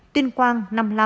tuyên quang năm mươi năm